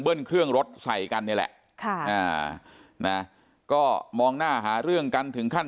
เครื่องรถใส่กันนี่แหละก็มองหน้าหาเรื่องกันถึงขั้น